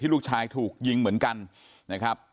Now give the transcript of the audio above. ลูกชายถูกยิงเหมือนกันนะครับ